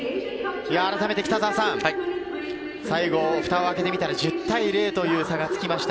あらためて最後、ふたを開けてみたら１０対０という差がつきました。